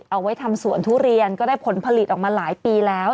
เอาไว้ทำสวนทุเรียนก็ได้ผลผลิตออกมาหลายปีแล้ว